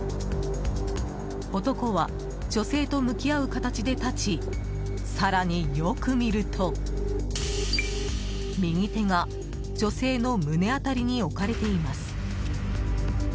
男は女性と向き合う形で立ち更によく見ると右手が女性の胸辺りに置かれています。